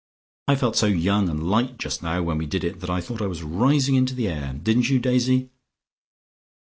I felt so young and light just now when we did it that I thought I was rising into the air. Didn't you, Daisy?"